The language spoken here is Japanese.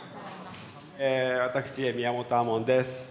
え私宮本亞門です。